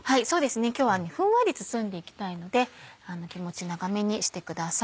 今日はふんわり包んでいきたいので気持ち長めにしてください。